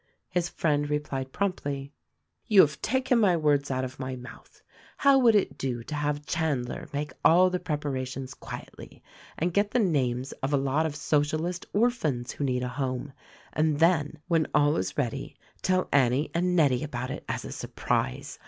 His friend replied promptly, "You have taken my words out of my mouth. How would it do to have Chandler make all the preparations quietly and get the names of a lot of socialist orphans who need a home, and then, when all is ready, tell Annie and Nettie about it as a surprise.